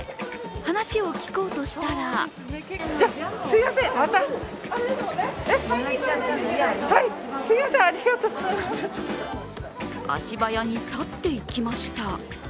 話を聞こうとしたら足早に去って行きました。